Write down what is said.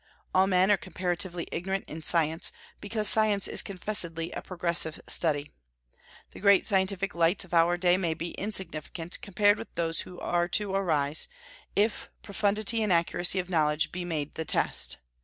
All men are comparatively ignorant in science, because science is confessedly a progressive study. The great scientific lights of our day may be insignificant, compared with those who are to arise, if profundity and accuracy of knowledge be made the test.